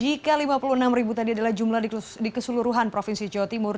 jika lima puluh enam ribu tadi adalah jumlah di keseluruhan provinsi jawa timur